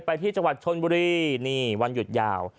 ไปที่จังหวัดชนบุรีนี่วันหยุดยาว